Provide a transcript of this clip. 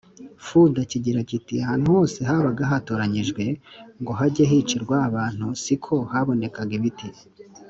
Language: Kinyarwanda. Fulda kigira kiti ahantu hose habaga haratoranyijwe ngo hajye hicirwa abantu si ko habonekaga ibiti